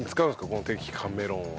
この摘果メロンは。